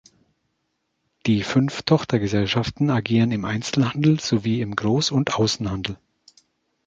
Die fünf Tochtergesellschaften agieren im Einzelhandel sowie im Groß- und Außenhandel.